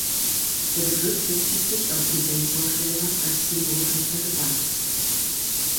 Der Begriff bezieht sich auf den Baseballschläger als Symbol rechter Gewalt.